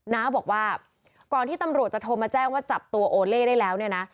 น้าบอกว่าก่อนที่ตำรวจจะโทรมาแจ้งว่าจับตัวโอเล่ได้แล้วเนี่ยนะ